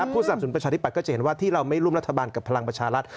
ผู้สนับสนประชาธิปัตย์ก็จะเห็นว่าที่เราไม่ร่วมรัฐบาลกับภักร์พลังประชาธิปัตย์